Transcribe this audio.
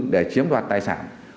để chiếm đoạt tài sản